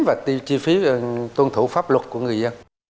và chi phí tuân thủ pháp luật của người dân